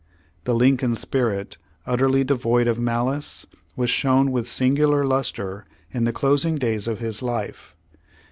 The Lincoln spirit, utterly devoid of malice, was shovv^n with singular luster in the closing days of his life.